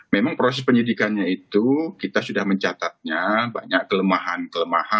memang proses penyidikannya itu kita sudah mencatatnya banyak kelemahan kelemahan